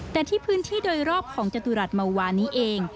แต่ที่พื้นที่โดยรอบของจตุรัสเมาวานี้เอง